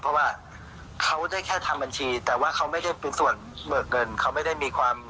ผมจะสามารถ